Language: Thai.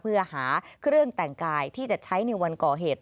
เพื่อหาเครื่องแต่งกายที่จะใช้ในวันก่อเหตุ